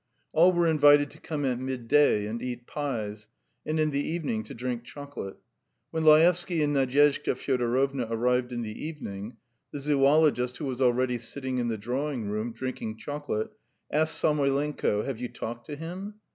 All were invited to come at midday and eat pies, and in the evening to drink chocolate. When Laevsky and Nadyezhda Fyodorovna arrived in the evening, the zoologist, who was already sitting in the drawing room, drinking chocolate, asked Samoylenko: "Have you talked to him?"